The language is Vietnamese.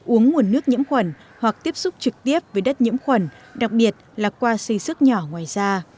uống nguồn nước nhiễm khuẩn hoặc tiếp xúc trực tiếp với đất nhiễm khuẩn đặc biệt là qua xây sức nhỏ ngoài da